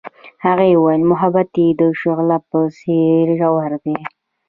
هغې وویل محبت یې د شعله په څېر ژور دی.